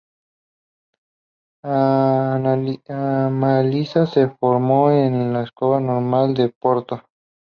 Amália se formó en la Escola Normal de Porto.